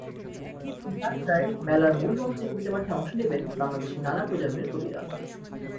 বিকেল চারটায় মেলার মূল মঞ্চে কবিতাপাঠে অংশ নেবেন বাংলাদেশে নানা প্রজন্মের কবিরা।